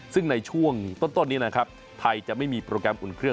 ซึ่งในช่วงต้นนี้นะครับไทยจะไม่มีโปรแกรมอุ่นเครื่อง